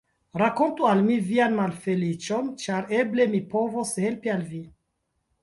Rakontu al mi vian malfeliĉon, ĉar eble mi povos helpi al vi.